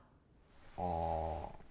ああ。